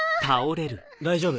大丈夫？